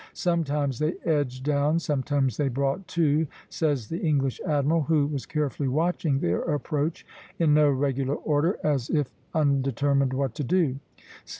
"Sometimes they edged down, sometimes they brought to," says the English admiral, who was carefully watching their approach, "in no regular order, as if undetermined what to do."